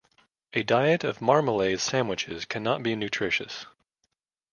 A diet of marmalade sandwiches cannot be nutritious.